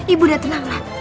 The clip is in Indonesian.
ibu sudah tenanglah